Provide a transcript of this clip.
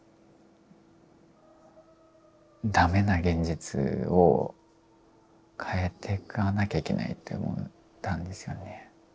駄目な現実を変えていかなきゃいけないと思ったんですよね。